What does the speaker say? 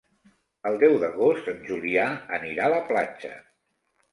El deu d'agost en Julià anirà a la platja.